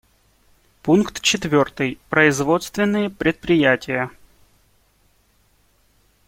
Пункт четвертый: производственные предприятия.